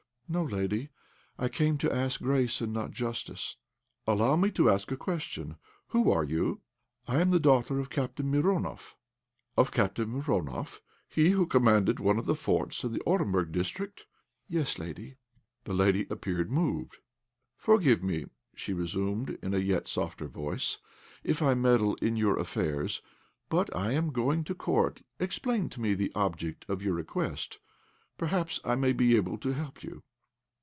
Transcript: "No, lady, I came to ask grace, and not justice." "Allow me to ask a question: Who are you?" "I am the daughter of Captain Mironoff." "Of Captain Mironoff? He who commanded one of the forts in the Orenburg district?" "Yes, lady." The lady appeared moved. "Forgive me," she resumed, in a yet softer voice, "if I meddle in your affairs; but I am going to Court. Explain to me the object of your request; perhaps I may be able to help you."